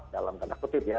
dalam tanda kutip ya